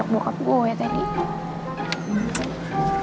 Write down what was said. bapak gue tadi